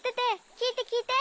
きいてきいて！